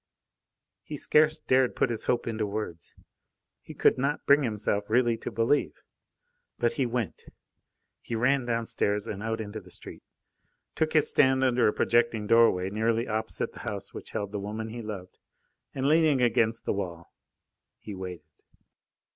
He scarce dared put his hope into words. He could not bring himself really to believe. But he went. He ran downstairs and out into the street, took his stand under a projecting doorway nearly opposite the house which held the woman he loved, and leaning against the wall, he waited.